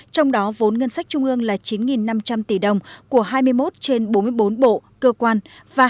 trong đó vốn ngân sách trung ương là chín năm trăm linh tỷ đồng của hai mươi một trên bốn mươi bốn bộ cơ quan và hai mươi bốn trên sáu mươi bốn